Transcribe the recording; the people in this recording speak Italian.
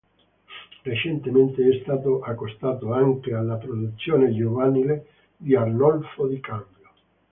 Recentemente è stato accostato anche alla produzione giovanile di Arnolfo di Cambio.